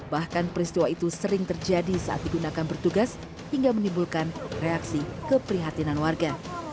bahkan peristiwa itu sering terjadi saat digunakan bertugas hingga menimbulkan reaksi keprihatinan warga